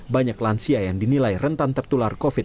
banyak lansia yang dinilai rentan tertular covid sembilan